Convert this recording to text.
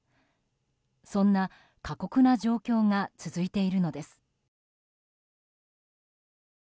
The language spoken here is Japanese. そんな過酷な状況が続いているのです。